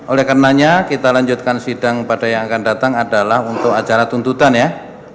oleh karenanya kita lanjutkan sidang pada yang akan datang adalah untuk acara tuntutan ya